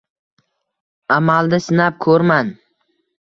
Amalda sinab ko’rman.